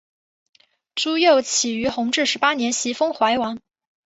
朱佑棨于弘治十八年袭封淮王。